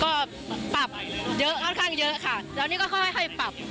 ก็ปรับเยอะค่อนข้างเยอะค่ะแล้วนี่ก็ค่อยปรับ